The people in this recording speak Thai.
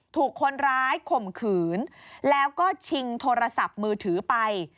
ถูกคนร้ายข่มขืนแล้วก็ชิงโทรศัพท์มือถือไป